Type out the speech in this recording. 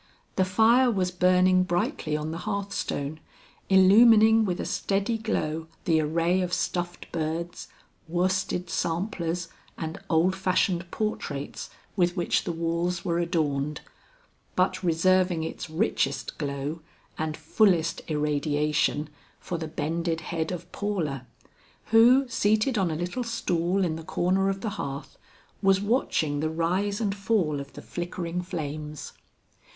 The fire was burning brightly on the hearthstone, illumining with a steady glow the array of stuffed birds, worsted samplers and old fashioned portraits with which the walls were adorned, but reserving its richest glow and fullest irradiation for the bended head of Paula, who seated on a little stool in the corner of the hearth, was watching the rise and fall of the flickering flames.